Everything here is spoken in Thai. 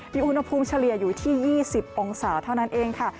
มีอุณหภูมิเฉลี่ยอยู่ที่๒๐องศาเท่านั้นเองค่ะ